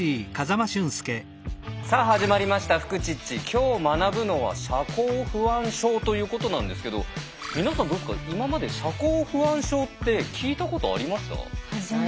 今日学ぶのは社交不安症ということなんですけど皆さんどうですか今まで社交不安症って聞いたことありました？